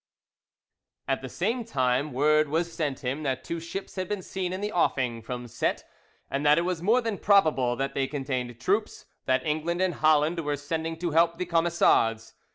At the same time word was sent him that two ships had been seen in the offing, from Cette, and that it was more than probable that they contained troops, that England and Holland were sending to help the Camisards.